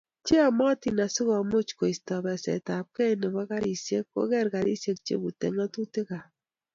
Che yomotin asi komuch koisto basetabgei nebo garisyek, koger garisyek chebutei ng'atutiikab